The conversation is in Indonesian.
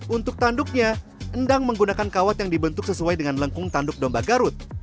untuk tanduknya endang menggunakan kawat yang dibentuk sesuai dengan lengkung tanduk domba garut